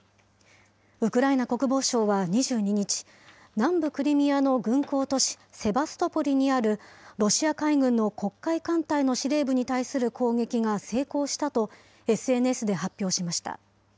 ウクライナ国防省は２２日、南部クリミアの軍港都市セバストポリにあるロシア海軍の黒海艦隊の司令部に対する攻撃が成功したと、ＳＮＳで発表しました。